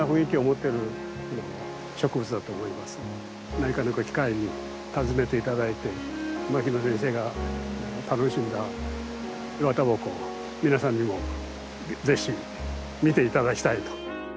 何かのご機会に訪ねていただいて牧野先生が楽しんだイワタバコを皆さんにもぜひ見ていただきたいと。